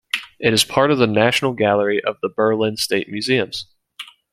It is part of the National Gallery of the Berlin State Museums.